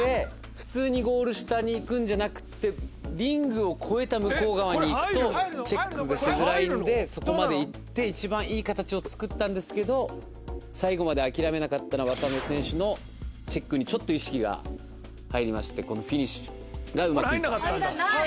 普通にゴール下に行くんじゃなくてリングを越えた向こう側に行くとチェックがしづらいのでそこまで行って一番いい形を作ったんですけど最後まで諦めなかった渡邊選手のチェックにちょっと意識が入りましてこのフィニッシュがうまくいかなかった。